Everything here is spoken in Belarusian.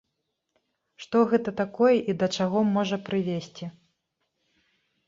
Што гэта такое і да чаго можа прывесці?